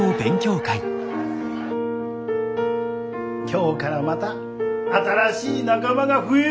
今日からまた新しい仲間が増えました。